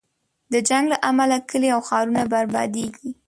د جنګ له امله کلی او ښارونه بربادېږي.